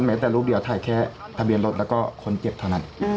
แต่รูปเดียวถ่ายแค่ทะเบียนรถแล้วก็คนเจ็บเท่านั้น